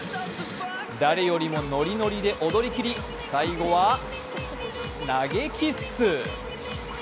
誰よりもノリノリで踊りきり最後は投げキッス。